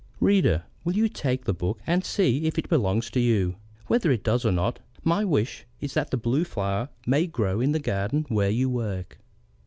Reader, will you take the book and see if it belongs to you? Whether it does or not, my wish is that the Blue Flower may grow in the garden where you work.